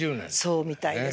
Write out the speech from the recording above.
そうみたいですね。